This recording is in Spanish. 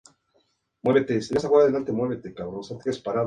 Rudy recibió críticas positivas sobre todo de los críticos.